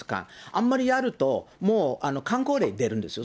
あんまりやると、もうかん口令出るんですよ。